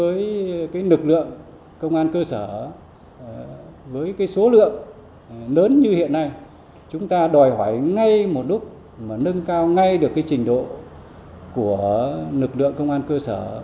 đối với nực lượng công an cơ sở với số lượng lớn như hiện nay chúng ta đòi hỏi ngay một lúc mà nâng cao ngay được trình độ của nực lượng công an cơ sở